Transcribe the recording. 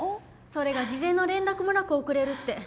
それが事前の連絡もなく遅れるって